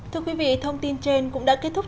thưa quý vị thông tin trên cũng đã kết thúc